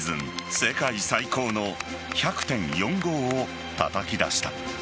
世界最高の１００．４５をたたき出した。